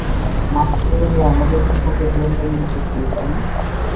মাস্টারের হয়ে আমাদের সম্পর্কে গোয়েন্দাগিরি করেছিলি, তাই না?